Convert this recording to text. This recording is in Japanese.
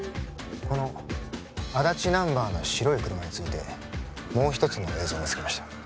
この足立ナンバーの白い車についてもう一つの映像を見つけました